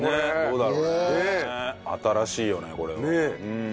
新しいよねこれは。ねえ。